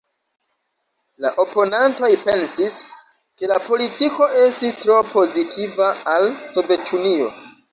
La oponantoj pensis, ke la politiko estis tro pozitiva al Sovetunio.